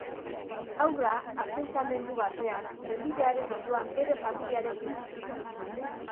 Haurra asentamendu batean trenbidearen ondoan bere familiarekin bizi zen.